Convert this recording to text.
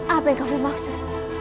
apa yang kamu maksud